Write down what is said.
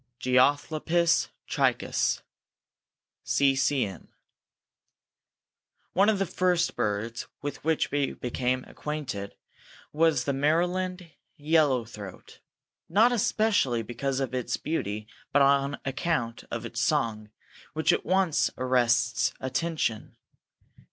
(Geothlypis trichas.) C. C. M. One of the first birds with which we became acquainted was the Maryland Yellow throat, not especially because of its beauty but on account of its song, which at once arrests attention.